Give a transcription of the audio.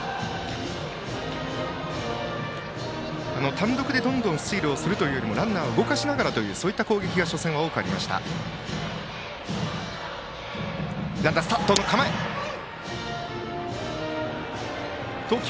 単独でどんどんスチールをするよりもランナーを動かしながらという攻撃が初戦は多くあった大阪桐蔭。